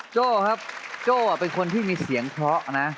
โจ้ครับโจ้เป็นคนที่มีเสียงเพราะนะ